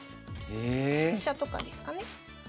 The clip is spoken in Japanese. ええ⁉飛車とかですかね。